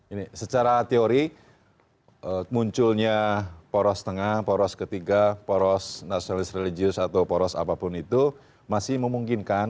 ini secara teori munculnya poros tengah poros ketiga poros nasionalis religius atau poros apapun itu masih memungkinkan